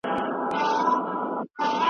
شعوري استعمال مهم ګڼل کېږي.